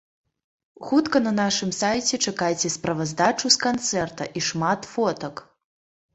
Хутка на нашым сайце чакайце справаздачу з канцэрта і шмат фотак!